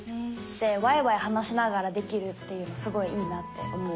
ワイワイ話しながらできるっていうのすごいいいなって思う。